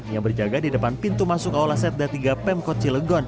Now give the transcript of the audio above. yang berjaga di depan pintu masuk aula setda tiga pemkot cilegon